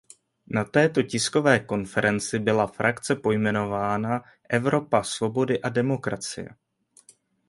Na této tiskové konferenci byla frakce pojmenována "Evropa svobody a demokracie".